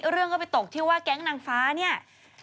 เรื่องก็ไปตกที่ว่าแก๊งนางฟ้าเนี่ย